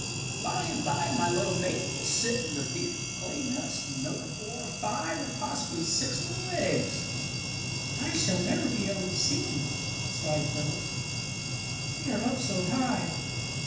"By and bye my little mate will sit in the dear clay nest and over four or five or possibly six little eggs." "I shall never be able to see them," sighed Phyllis. "They are up so high.